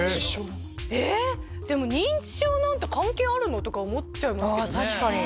認知症なんて関係あるの？とか思っちゃいますけどね。